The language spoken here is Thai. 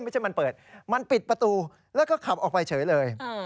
ไม่ใช่มันเปิดมันปิดประตูแล้วก็ขับออกไปเฉยเลย